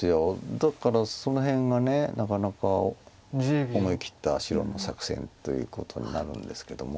だからその辺がなかなか思い切った白の作戦ということになるんですけども。